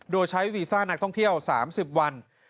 โดยใช้วีซ่านักท่องเที่ยว๓๐วัน